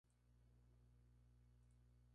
Los números de un mismo año conforman un volumen.